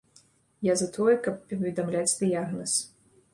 Я за тое, каб паведамляць дыягназ.